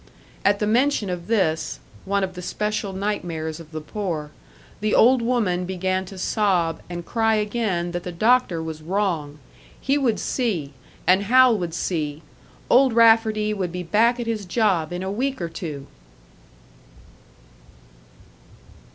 At the mention of this, one of the special nightmares of the poor, the old woman began to sob and cry again that the doctor was wrong; he would see, and Hal would see Old Rafferty would be back at his job in a week or two!